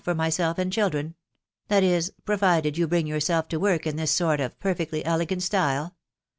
for myself and children — that is, provided you bring your self to work in this sort of perfectly elegant style.